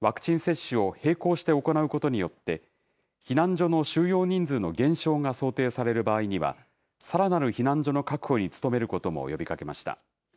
ワクチン接種を並行して行うことによって、避難所の収容人数の減少が想定される場合には、さらなる避難所の確保に努めることも呼びかけました。